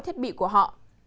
thiết bị của họ